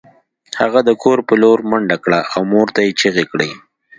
هغه د کور په لور منډه کړه او مور ته یې چیغې کړې